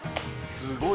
すごい。